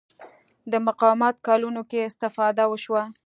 د مقاومت کلونو کې استفاده وشوه